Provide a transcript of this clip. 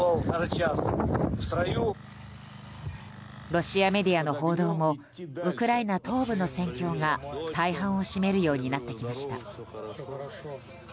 ロシアメディアの報道もウクライナ東部の戦況が、大半を占めるようになってきました。